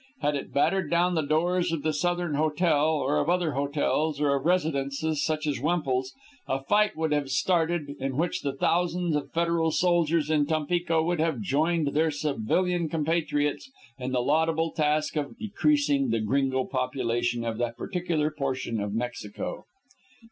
Had it battered down the doors of the Southern Hotel, or of other hotels, or of residences such as Wemple's, a fight would have started in which the thousands of federal soldiers in Tampico would have joined their civilian compatriots in the laudable task of decreasing the Gringo population of that particular portion of Mexico.